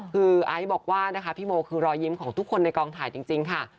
คือไอซ์บอกว่านะคะพี่โมคือรอยยิ้มของทุกคนในกองถ่ายจริงค่ะ